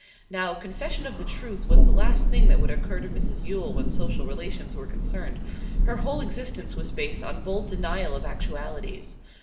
Now, confession of the truth was the last thing that would occur to Mrs Yule when social relations were concerned. Her whole existence was based on bold denial of actualities.